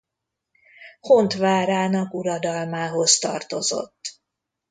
Hont várának uradalmához tartozott.